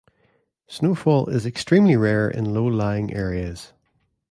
Snowfall is extremely rare in low-lying areas.